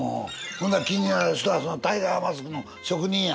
ほんなら気になる人はそのタイガーマスクの職人や。